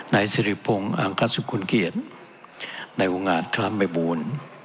นายสิริพงศ์อังคัตสุขุลเกียจนายอุงหาธรรมบายบูรณ์